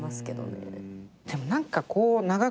でも何かこう長く。